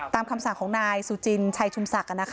คำสั่งของนายสุจินชัยชุมศักดิ์